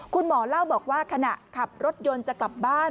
คุณหมอเล่าบอกว่าขณะขับรถยนต์จะกลับบ้าน